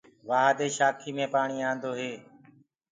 وآه دي شآکينٚ مي پآڻي آندو هي۔